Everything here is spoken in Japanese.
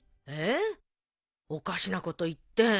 えっ？おかしなこと言って。